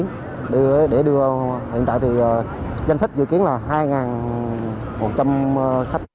hiện tại thì danh sách dự kiến là hai một trăm linh khách